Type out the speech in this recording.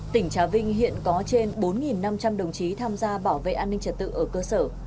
tỉnh trà vinh hiện có trên bốn năm trăm linh đồng chí tham gia bảo vệ an ninh trật tự ở cơ sở